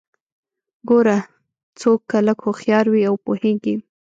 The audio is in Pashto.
ګوره څوک که لږ هوښيار وي او پوهیږي